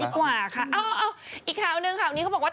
เอาอีกข่าวหนึ่งค่ะวันนี้เขาบอกว่า